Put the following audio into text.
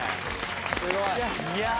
すごい。